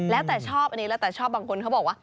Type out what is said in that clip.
แล้วแต่ชอบอันนี้แล้วแต่ชอบบางคนเขาบอกว่า